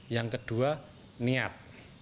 yang kedua niat